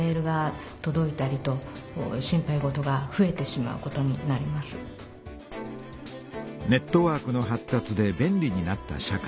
そのことでネットワークの発達で便利になった社会。